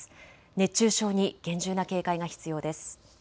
熱中症に厳重な警戒が必要です。